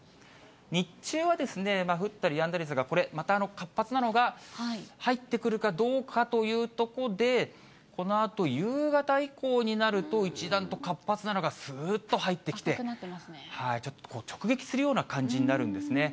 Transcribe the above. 日中は降ったりやんだりですが、これ、また活発なのが入ってくるかどうかというとこで、このあと夕方以降になると、一段と活発なのが、すーっと入ってきて、ちょっと直撃するような感じになるんですね。